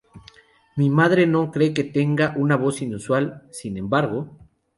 Mi madre no cree que tenga una voz inusual, sin embargo.